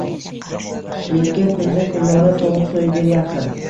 Tushlikka kunda-kunora tovuq so‘yib beryapsan